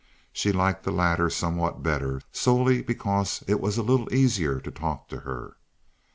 She liked the latter somewhat better, solely because it was a little easier to talk to her.